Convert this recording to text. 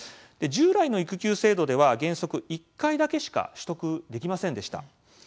従来の育休制度では原則、１回だけしか取得できませんでした。